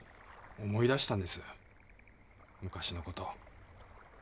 思い出したんです昔の事。